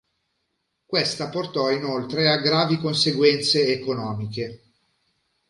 Questa portò inoltre a gravi conseguenze economiche.